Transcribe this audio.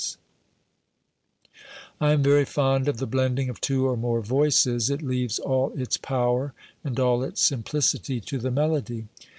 OBERMANN 253 I am very fond of the blending of two or more voices ; it leaves all its power and all its simplicity to the melody.